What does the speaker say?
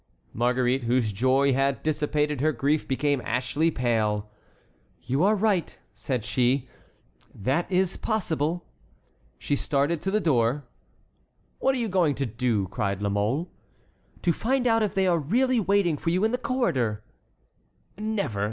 Marguerite, whose joy had dissipated her grief, became ashy pale. "You are right," said she, "that is possible." She started to the door. "What are you going to do?" cried La Mole. "To find out if they are really waiting for you in the corridor." "Never!